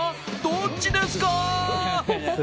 どっちですか？